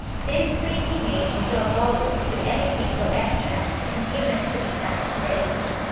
This may be made into a bolus with any simple extract, and given three times a day.